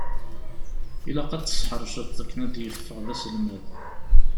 Ilaq ad t-tesseḥṛeceḍ akken ad d-yeffeɣ d aselmad!